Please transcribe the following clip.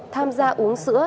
tham gia uống sữa